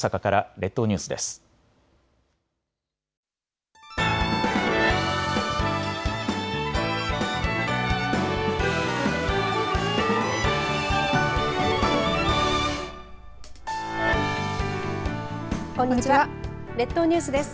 列島ニュースです。